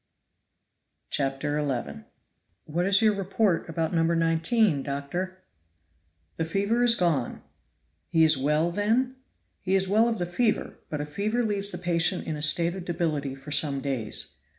CHAPTER XI. "WHAT is your report about No. 19, doctor?" "The fever is gone." "He is well, then?" "He is well of the fever, but a fever leaves the patient in a state of debility for some days.